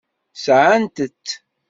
Sɛant-t.